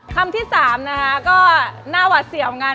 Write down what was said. คำที่๓นะคะก็น่าวัดเสี่ยวงั้น